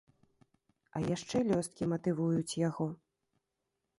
А яшчэ лёсткі матывуюць яго.